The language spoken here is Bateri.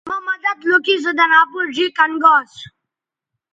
مہ مدد لوکھی سو دَن اپیئں ڙھیئں کَن گا اسو